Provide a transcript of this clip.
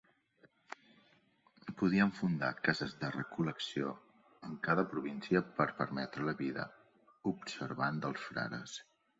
Podien fundar cases de recol·lecció en cada província per permetre la vida observant dels frares.